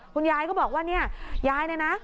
คุณยายก็บอกว่าเนี่ยยายเนี่ยนะ